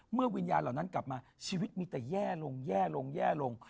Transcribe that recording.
วิญญาณเหล่านั้นกลับมาชีวิตมีแต่แย่ลงแย่ลงแย่ลง